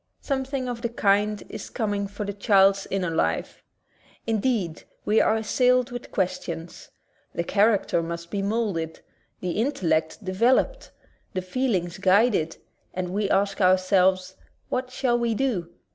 Something of the kind is coming for the child's inner life. Indeed, we are assailed with questions. The character must be molded, the intellect developed, the feelings guided, and we ask ourselves. What shall we do?